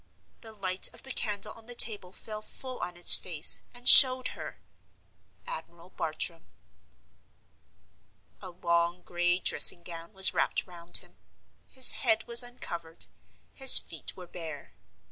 The light of the candle on the table fell full on its face, and showed her—Admiral Bartram. A long, gray dressing gown was wrapped round him. His head was uncovered; his feet were bare.